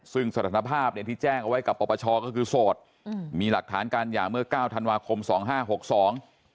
ซึ่งสถานภาพเนี่ยที่แจ้งเอาไว้กับปปชก็คือโสดอืมมีหลักฐานการหย่าเมื่อเก้าธันวาคมสองห้าหกสอง